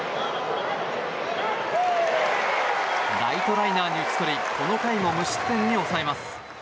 ライトライナーに打ち取りこの回も無失点に抑えます。